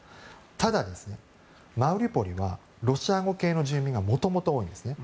ただ、マリウポリはロシア語系の住民が多いんです。